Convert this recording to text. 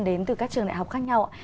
đến từ các trường đại học khác nhau